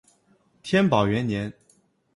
天宝元年。